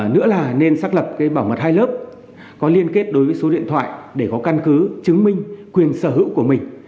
nữa là nên xác lập bảo mật hai lớp có liên kết đối với số điện thoại để có căn cứ chứng minh quyền sở hữu của mình